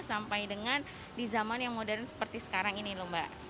sampai dengan di zaman yang modern seperti sekarang ini lho mbak